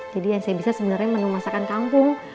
jadi yang saya bisa sebenernya menu masakan kampung